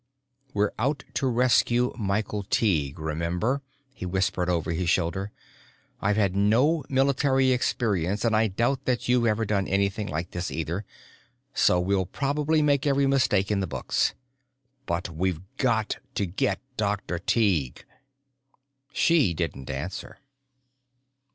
"We're out to rescue Michael Tighe, remember," he whispered over his shoulder. "I've had no military experience and I doubt that you've ever done anything like this either, so we'll probably make every mistake in the books. But we've got to get Dr. Tighe." She didn't answer.